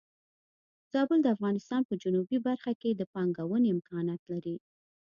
زابل د افغانستان په جنوبی برخه کې د پانګونې امکانات لري.